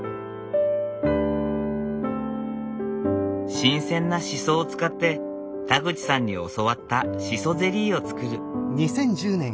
新鮮なシソを使って田口さんに教わったシソゼリーを作る。